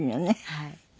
はい。